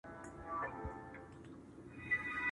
په ډېري کې خوره، په لږي کي ست کوه.